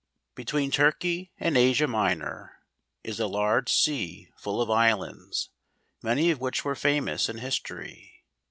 Between Turkey and Asia Minor, is a large sea full of islands; many of which were famous in history.